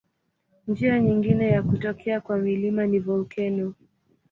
Njia nyingine ya kutokea kwa milima ni volkeno.